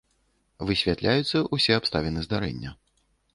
Высвятляюцца ўсе абставіны здарэння.